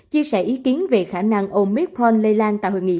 chia sẻ ý kiến về khả năng omicron lây lan tại hội nghị